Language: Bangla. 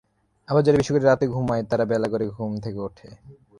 আবার যারা বেশি রাতে ঘুমায় তারা বেলা করে ঘুম থেকে ওঠে।